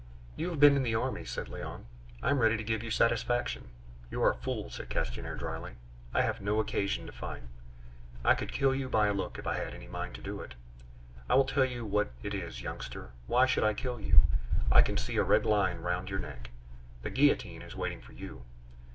"You have been in the army," said Léon; "I am ready to give you satisfaction." "You are a fool," said Castanier dryly. "I have no occasion to fight. I could kill you by a look if I had any mind to do it. I will tell you what it is, youngster; why should I kill you? I can see a red line round your neck the guillotine is waiting for you.